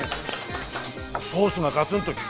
ソースがガツンと利くね。